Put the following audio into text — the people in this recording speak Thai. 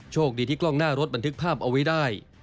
โชคดีที่กล้องหน้ารถบันทึกภาพเอาไว้ได้